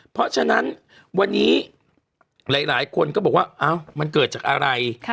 เพราะฉะนั้นวันนี้หลายคนก็บอกว่ามันเกิดจากอะไร